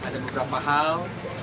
dan beberapa hal